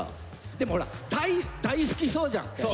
でもほら大好きそうじゃん。